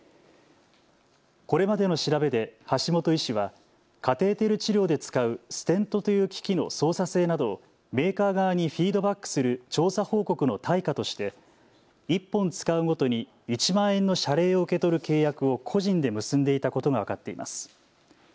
これまでの調べで橋本医師はカテーテル治療で使うステントという機器の操作性などをメーカー側にフィードバックする調査報告の対価として１本使うごとに１万円の謝礼を受け取る契約を個人で結んでいたことが分かっています。